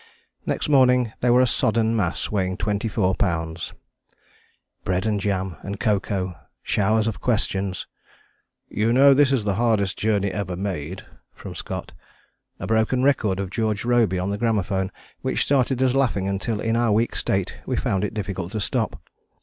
Next morning they were a sodden mass weighing 24 lbs. Bread and jam, and cocoa; showers of questions; "You know this is the hardest journey ever made," from Scott; a broken record of George Robey on the gramophone which started us laughing until in our weak state we found it difficult to stop.